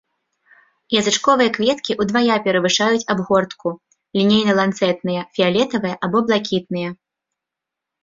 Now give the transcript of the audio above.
Язычковыя кветкі ўдвая перавышаюць абгортку, лінейна-ланцэтныя, фіялетавыя або блакітныя.